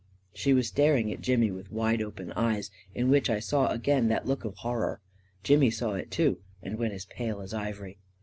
She was staring at Jimmy with wide open eyes, in which I saw again that look of horror. Jimmy saw it, too, and went as pale as ivory.